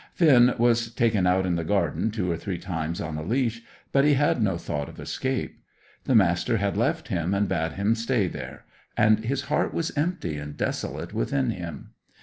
Finn was taken out in the garden two or three times on a leash; but he had no thought of escape. The Master had left him, and bade him stay there; and his heart was empty and desolate within him.